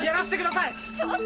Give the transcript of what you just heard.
ちょっと。